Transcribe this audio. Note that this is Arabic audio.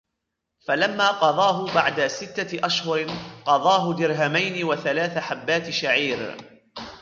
فلما قضاه بعد ستة أشهر قضاه درهمين وثلاث حبات شعير